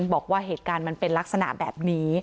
บอกว่าเหตุการณ์มันเป็นลักษณะแบบนี้